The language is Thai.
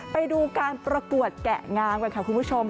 ไปดูการประกวดแกะงามกันค่ะคุณผู้ชม